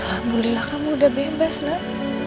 alhamdulillah kamu udah bebas lah